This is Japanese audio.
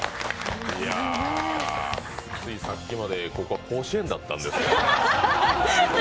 ついさっきまでここは甲子園だったんですけど。